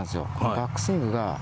バックスイングが。